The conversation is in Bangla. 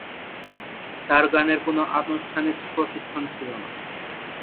তার গানের কোন আনুষ্ঠানিক প্রশিক্ষণ ছিল না।